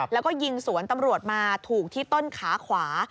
แล้วก็ยิงสวนตำรวจมาถูกที่ต้นขาขวา